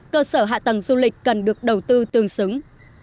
cơ sở hạ tầng du lịch cần được đầu tư tương xứng